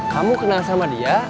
kamu kenal sama dia